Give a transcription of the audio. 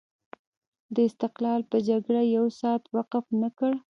د استقلال په جګړې یو ساعت وقف نه کړ.